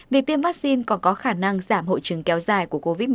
việc tiêm vaccine còn có khả năng giảm hội chứng kéo dài của covid một mươi chín